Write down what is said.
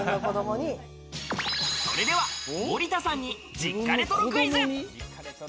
それでは森田さんに実家レトロクイズ。